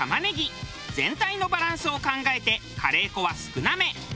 全体のバランスを考えてカレー粉は少なめ。